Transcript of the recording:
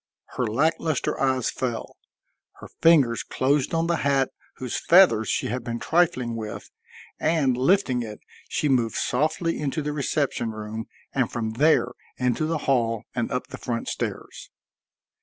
Her lack luster eyes fell; her fingers closed on the hat whose feathers she had been trifling with, and, lifting it, she moved softly into the reception room and from there into the hall and up the front stairs.